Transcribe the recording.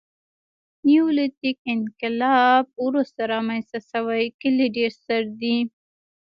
نیولیتیک انقلاب وروسته رامنځته شوي کلي ډېر ستر دي.